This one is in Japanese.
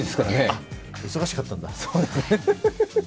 あっ、忙しかったんだ。